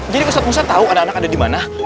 jadi ustaz musa tahu anak anak ada di mana